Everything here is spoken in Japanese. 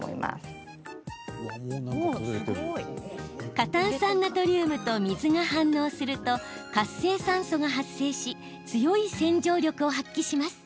過炭酸ナトリウムと水が反応すると活性酸素が発生し強い洗浄力を発揮します。